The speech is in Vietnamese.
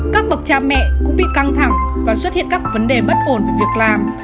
các bậc cha mẹ cũng bị căng thẳng và xuất hiện các vấn đề bất ổn về việc làm